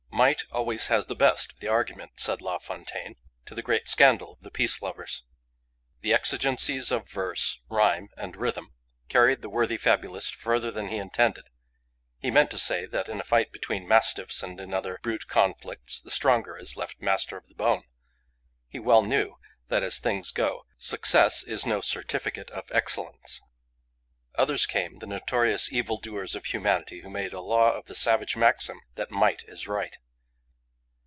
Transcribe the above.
'Might always has the best of the argument,' said La Fontaine, to the great scandal of the peace lovers. The exigencies of verse, rhyme and rhythm, carried the worthy fabulist further than he intended: he meant to say that, in a fight between mastiffs and in other brute conflicts, the stronger is left master of the bone. He well knew that, as things go, success is no certificate of excellence. Others came, the notorious evil doers of humanity, who made a law of the savage maxim that might is right.